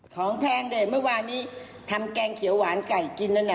แพงเลยเมื่อวานนี้ทำแกงเขียวหวานไก่กินนั่นน่ะ